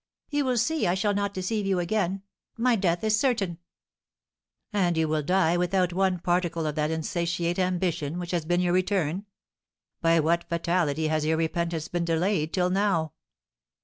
"You will see I shall not deceive you again; my death is certain." "And you will die without one particle of that insatiate ambition which has been your return! By what fatality has your repentance been delayed till now?"